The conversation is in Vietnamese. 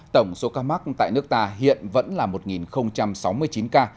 tổng số ca mắc tại nước ta hiện vẫn là một sáu mươi chín ca